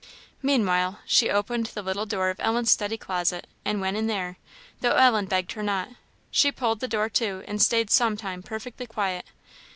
Meanwhile she opened the little door of Ellen's study closet and went in there, though Ellen begged her not. She pulled the door to, and stayed some time perfectly quiet.